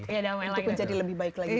itu pun jadi lebih baik lagi ke depan